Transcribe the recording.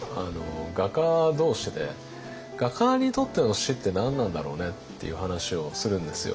画家同士で画家にとっての死って何なんだろうねっていう話をするんですよ。